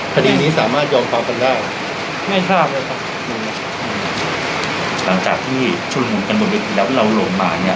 คดีนี้สามารถยอมความกันได้ไม่ทราบเลยครับหลังจากที่ชุดละมุนกันหมดแล้วเราลงมาเนี้ย